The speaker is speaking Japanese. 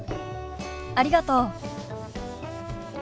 ありがとう。